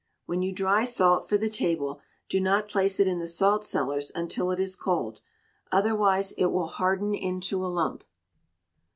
When you dry salt for the table, do not place it in the salt cellars until it is cold, otherwise it will harden into a lump.